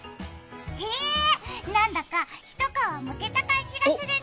へぇ、なんだか一皮むけた感じがするね。